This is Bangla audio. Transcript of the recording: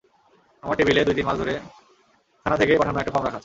আমার টেবিলে দুই-তিন মাস ধরে থানা থেকে পাঠানো একটা ফরম রাখা আছে।